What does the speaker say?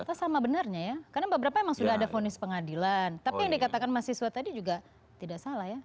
atau sama benarnya ya karena beberapa memang sudah ada fonis pengadilan tapi yang dikatakan mahasiswa tadi juga tidak salah ya